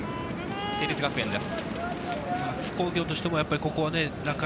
成立学園です。